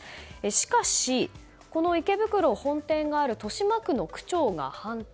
しかし、この池袋本店がある豊島区の区長が反対。